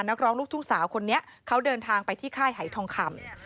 นักร้องลูกทุ่งสาวคนนี้เขาเดินทางไปที่ค่ายหายทองคำ